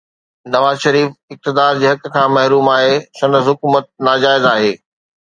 نواز شريف اقتدار جي حق کان محروم آهي، سندس حڪومت ناجائز آهي.